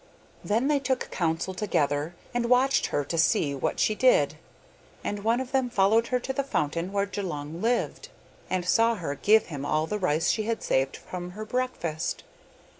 Then they took counsel together, and watched her to see what she did, and one of them followed her to the fountain where Djulung lived, and saw her give him all the rice she had saved from her breakfast.